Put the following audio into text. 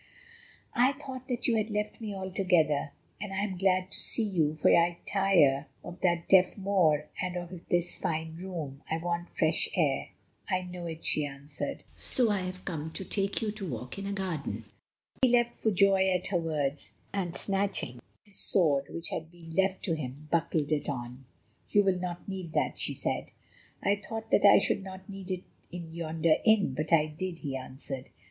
"I thought that you had left me altogether, and I am glad to see you, for I tire of that deaf Moor and of this fine room. I want fresh air." "I know it," she answered; "so I have come to take you to walk in a garden." He leapt for joy at her words, and snatching at his sword, which had been left to him, buckled it on. "You will not need that," she said. "I thought that I should not need it in yonder inn, but I did," he answered.